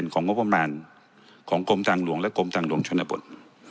ของงบประมาณของกรมทางหลวงและกรมทางหลวงชนบท